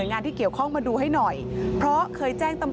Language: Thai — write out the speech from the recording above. ช่องบ้านต้องช่วยแจ้งเจ้าหน้าที่เพราะว่าโดนฟันแผลเวิกวะค่ะ